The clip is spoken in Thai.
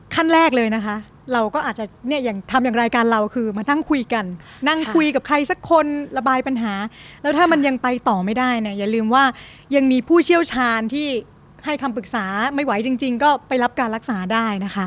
ขั้นแรกเลยนะคะเราก็อาจจะเนี่ยอย่างทำอย่างรายการเราคือมานั่งคุยกันนั่งคุยกับใครสักคนระบายปัญหาแล้วถ้ามันยังไปต่อไม่ได้เนี่ยอย่าลืมว่ายังมีผู้เชี่ยวชาญที่ให้คำปรึกษาไม่ไหวจริงก็ไปรับการรักษาได้นะคะ